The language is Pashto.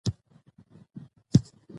سیاسي بدلون دوام غواړي